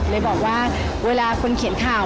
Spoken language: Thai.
เลยบอกว่าเวลาคนเขียนข่าว